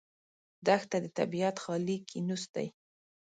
دښته د طبیعت خالي کینوس دی.